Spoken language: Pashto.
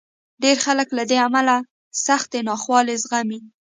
ډېر خلک له دې امله سختې ناخوالې زغمي.